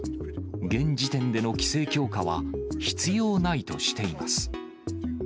現時点での規制強化は、必要ないとしています。